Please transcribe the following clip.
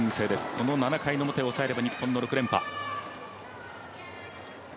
この７回の表を抑えれば日本の６連覇。